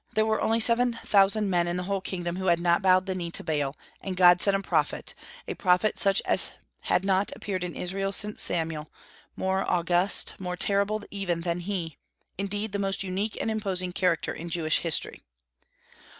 There were only seven thousand men in the whole kingdom who had not bowed the knee to Baal, and God sent a prophet, a prophet such as had not appeared in Israel since Samuel; more august, more terrible even than he; indeed, the most unique and imposing character in Jewish history.